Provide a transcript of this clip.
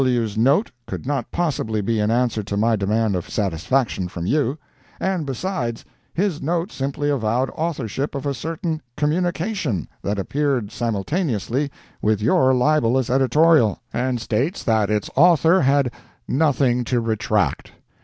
W's note could not possibly be an answer to my demand of satisfaction from you; and besides, his note simply avowed authorship of a certain "communication" that appeared simultaneously with your libelous "editorial," and states that its author had "nothing to retract."